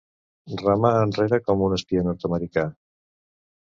Remar enrere com un espia nord-americà.